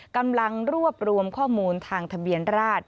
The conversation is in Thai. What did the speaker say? กำลังรวบรวมข้อมูลทางทะเบียนราช